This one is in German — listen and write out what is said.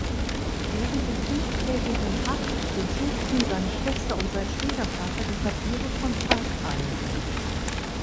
Während der fünftägigen Haft durchsuchten seine Schwester und sein Schwiegervater die Papiere von Falkeisen.